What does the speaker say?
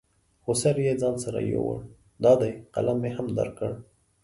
خو سر یې ځان سره یوړ، دا دی قلم مې هم درکړ.